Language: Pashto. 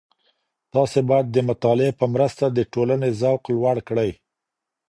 تاسو بايد د مطالعې په مرسته د ټولني ذوق لوړ کړئ.